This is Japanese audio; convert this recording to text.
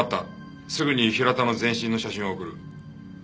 すぐに平田の全身の写真を送る。